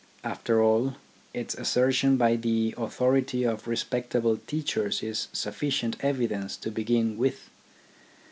After all, its assertion by the authority of respectable teachers is sufficient evidence to begin with.